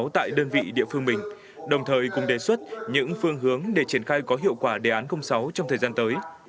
tại đơn vị địa phương mình đồng thời cùng đề xuất những phương hướng để triển khai có hiệu quả đề án sáu trong thời gian tới